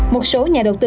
một số nhà đầu tư